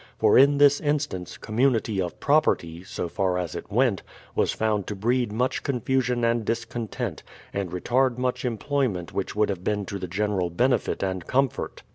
For in this instance, community of property (so far as it went) was 116 BR.\DFORD'S HISTORY OF found to breed miich confusion and discontent, and retard much employment which would have been to the general benefit and comfort.